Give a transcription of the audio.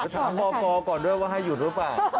ถามพอก่อนด้วยว่าให้หยุดหรือเปล่า